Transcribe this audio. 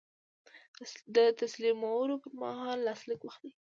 د تسلیمولو پر مهال لاسلیک واخلئ.